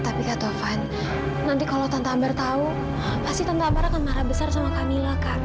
tapi kata fan nanti kalau tanpa ambar tahu pasti tante ambar akan marah besar sama kamila kak